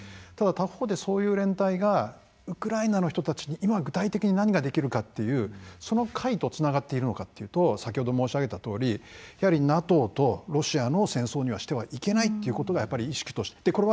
ただ他方でそういう連帯がウクライナの人たちに今具体的に何ができるかっていうその解とつながっているのかというと先ほど申し上げたとおりＮＡＴＯとロシアの戦争にはしてはいけないということがやっぱり意識として。